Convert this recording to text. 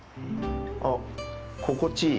あっ、心地いい。